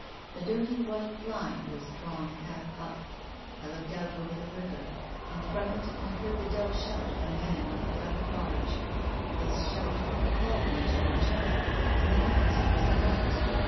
The dirty white blind was drawn half up. I looked out over the river, and from it I heard the dull shout of a man on a black barge. This shout recalled to me my child and the noise of its lament.